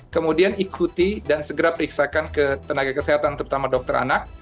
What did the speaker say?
kemudian ikuti dan segera periksakan ke tenaga kesehatan terutama dokter anak